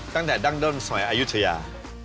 ตั้งแต่ดั้งด้นสมัยอายุทยา